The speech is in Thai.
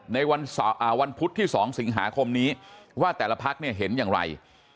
ในวันพุธที่๒สิงหาคมนี้ว่าแต่ละพักเนี่ยเห็นอย่างไร